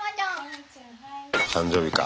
誕生日か。